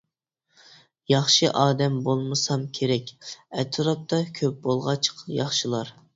ياخشى ئادەم بولمىسام كېرەك، ئەتراپتا كۆپ بولغاچ ياخشىلار.